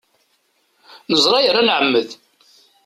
Neẓra yerna nɛemmed!